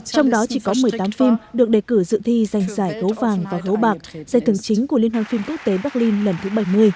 trong đó chỉ có một mươi tám phim được đề cử dự thi giành giải gấu vàng và gấu bạc giải thưởng chính của liên hoàn phim quốc tế berlin lần thứ bảy mươi